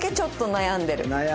悩んでる。